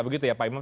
begitu ya pak imam